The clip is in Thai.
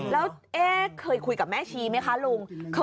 แล้วคุยกับแม่ชีไม่คะลุง